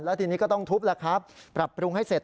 และทีนี้ก็ต้องทุบปรับปรุงให้เสร็จ